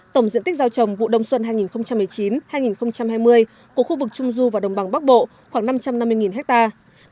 tổng diện tích giao trồng vụ đông xuân hai nghìn một mươi chín hai nghìn hai mươi của khu vực trung du và đồng bằng bắc bộ khoảng năm trăm năm mươi hectare